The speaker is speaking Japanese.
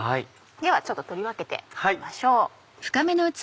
ではちょっと取り分けてみましょう。